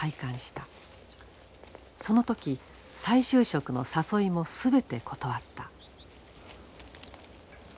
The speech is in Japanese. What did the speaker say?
その時再就職の誘いも全て断った。